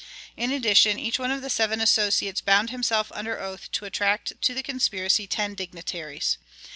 In addition, each one of the seven associates bound himself under oath to attract to the conspiracy ten dignitaries.